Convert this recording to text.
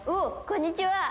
こんにちは！